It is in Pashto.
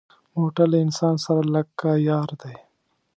موټر له انسان سره لکه یار دی.